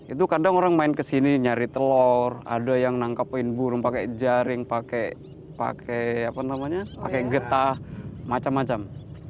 itu kadang orang main ke sini nyari telur ada yang nangkap burung pakai jaring pakai apa namanya pakai getah macam macam